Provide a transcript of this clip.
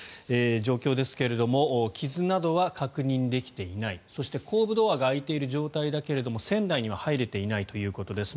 状況ですが傷などは確認できていないそして後部ドアが開いている状態だけど船内には入れていないということです。